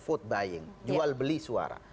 food buying jual beli suara